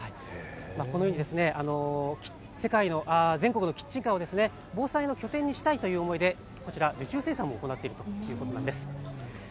このように全国のキッチンカーを防災の拠点にしたいという思いで受注生産も行っているということなんです。